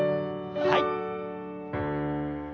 はい。